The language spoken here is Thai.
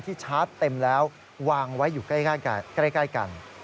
ชาร์จเต็มแล้ววางไว้อยู่ใกล้กัน